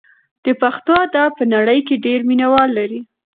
د پښتو ادب په نړۍ کې ډېر مینه وال لري.